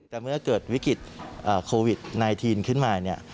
แต่เมื่อเกิดวิกฤตอ่าโควิดนายทีนขึ้นมาเนี่ย